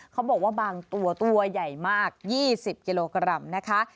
เขาบอกว่าบางตัวตัวใหญ่มาก๒๐กิโลกรัมนะคะ